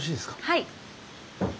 はい。